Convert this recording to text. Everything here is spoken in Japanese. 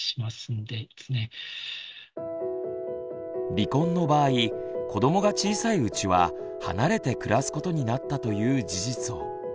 離婚の場合子どもが小さいうちは離れて暮らすことになったという事実を。